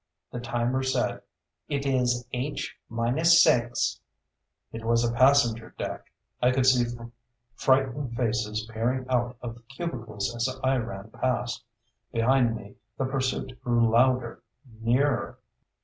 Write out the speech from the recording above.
The timer said: "It is H minus six." It was a passenger deck. I could see frightened faces peering out of cubicles as I ran past. Behind me, the pursuit grew louder, nearer.